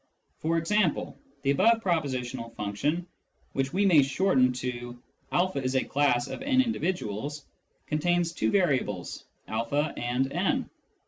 For example, the above propositional function, which we may shorten to " a is a class of n individuals," contains two variables, a and n.